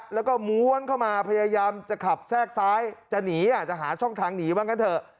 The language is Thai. แล้วก็ม้วนเข้ามาพยายามจะขับแทรกซ้ายจะหนีจะหาช่องทางหนีบ้างกันเถอะ